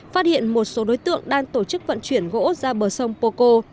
phát hiện một số đối tượng đang tổ chức vận chuyển gỗ ra bờ sông poco